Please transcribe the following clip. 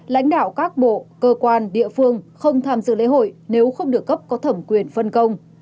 lãnh đạo các bộ cơ quan địa phương không tham dự lễ hội nếu không được cấp có thẩm quyền phân công